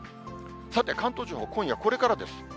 さて、関東地方、今夜これからです。